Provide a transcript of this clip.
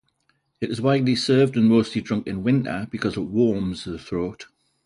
It is widely served and mostly drunk in winter because it "warms" the throat.